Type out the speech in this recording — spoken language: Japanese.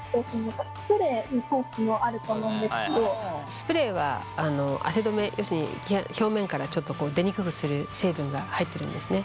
スプレーは汗止め要するに表面から出にくくする成分が入ってるんですね。